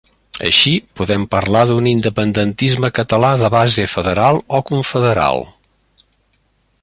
Així, podem parlar d'un independentisme català de base federal o confederal.